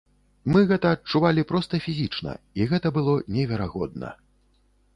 Мы гэта адчувалі проста фізічна, і гэта было неверагодна.